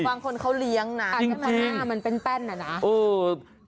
บางคนเขาเลี้ยงนะแต่มันเป็นแป้นน่ะนะ